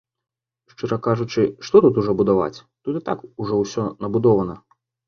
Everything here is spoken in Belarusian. Шчыра кажучы, што тут ўжо будаваць, тут і так ўжо ўсё набудавана!